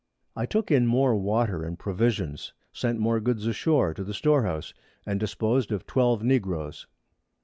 I took in more Water and Provisions, sent more Goods ashore to the Storehouse, and disposed of 12 Negroes.